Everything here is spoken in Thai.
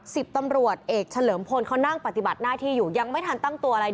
สิบตำรวจเอกเฉลิมพลเขานั่งปฏิบัติหน้าที่อยู่ยังไม่ทันตั้งตัวอะไร